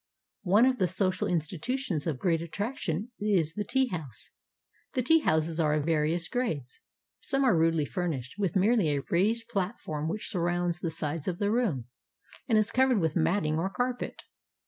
One of the social institutions of great attraction is the tea house. The tea houses are of various grades. Some are rudely furnished, with merely a raised platform which surrounds the sides of the room, and is covered with matting or carpet.